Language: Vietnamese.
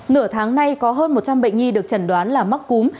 nửa tháng nay có hơn một trăm linh bệnh nhi được chẩn đoán là mắc cúm